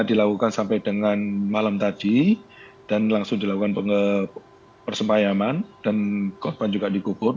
dilakukan sampai dengan malam tadi dan langsung dilakukan persepayaman dan korban juga dikubur